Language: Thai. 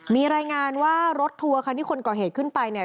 มีรายงานว่ารถทัวร์คันที่คนก่อเหตุขึ้นไปเนี่ย